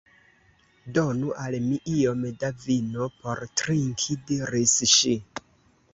«Donu al mi iom da vino por trinki,» diris ŝi.